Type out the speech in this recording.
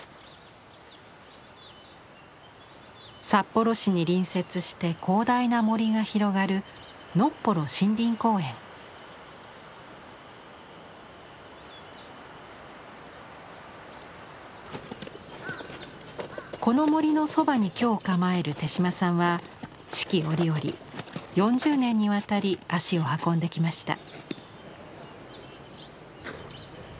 札幌市に隣接して広大な森が広がるこの森のそばに居を構える手島さんは四季折々４０年にわたり足を運んできました。